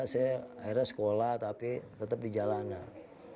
saya akhirnya sekolah tapi tetap di jalanan